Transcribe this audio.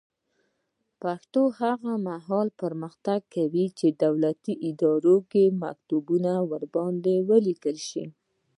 پښتو هغه مهال پرمختګ کوي چې دولتي ادارو کې مکتوبونه ورباندې ولیکل شي.